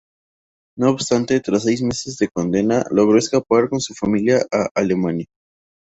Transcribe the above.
No obstante, tras seis meses de condena logró escapar con su familia a Alemania.